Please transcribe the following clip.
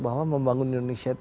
bahwa membangun indonesia itu